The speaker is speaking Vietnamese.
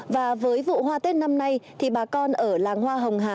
và với vụ hoa tết năm nay thì bà con ở làng hoa hồng hà